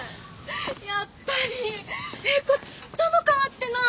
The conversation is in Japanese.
やっぱり英子ちっとも変わってない。